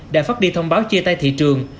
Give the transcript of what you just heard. đã phát đi thông báo chia tay thị trường